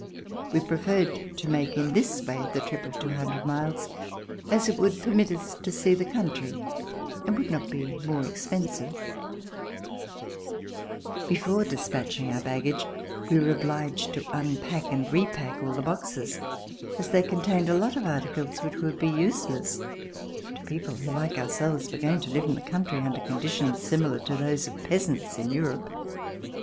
We preferred to make in this way the trip of two hundred miles, as it would permit us to see the country and would not be more expensive. C188] ARRIVAL IN AMERICA Before despatching our baggage, we were obliged to unpack and repack all the boxes, as they contained a lot of articles which would be useless to people, who, like ourselves, were going to live in the country under conditions similar to those of peasants in Europe.